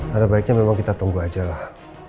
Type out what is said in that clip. karena baiknya memang kita tunggu aja lah